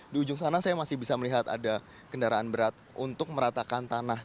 di ujung sana saya masih bisa melihat ada kendaraan berat untuk meratakan tanah